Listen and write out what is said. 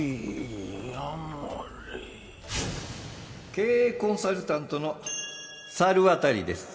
経営コンサルタントの猿渡です。